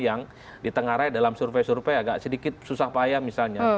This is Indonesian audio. yang di tengah raya dalam survei survei agak sedikit susah payah misalnya